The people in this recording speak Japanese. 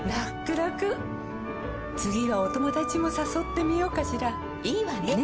らくらくはお友達もさそってみようかしらいいわね！